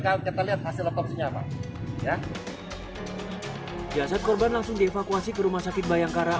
kalau kita lihat hasil otopsinya apa ya jasad korban langsung dievakuasi ke rumah sakit bayangkara